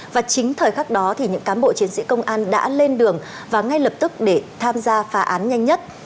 và chính thời khắc đó thì những cán bộ chiến sĩ công an đã lên đường và ngay lập tức để tham gia phá án nhanh nhất